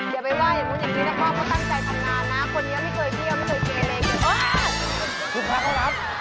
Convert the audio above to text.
อย่าไปว่าอย่างนู้นอย่างนี้นะครับ